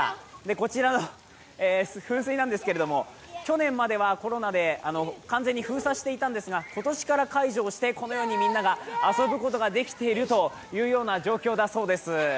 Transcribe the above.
こちらの噴水なんですけれども去年まではコロナで完全に封鎖していたんですが、今年から解除してこのようにみんなが遊ぶことができているという状況だそうです。